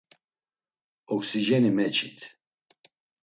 Oksijeni meçit.